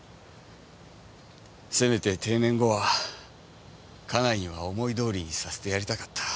せめて定年後は家内には思い通りにさせてやりたかった。